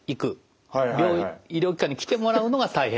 病院医療機関に来てもらうのが大変なんです。